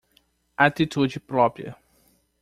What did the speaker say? Atitude própria